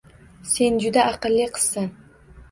Sen juda aqlli qizsan